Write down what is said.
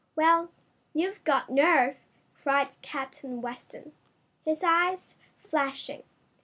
"Well, you've got nerve!" cried Captain Weston, his eyes flashing.